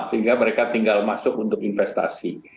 sehingga mereka tinggal masuk untuk investasi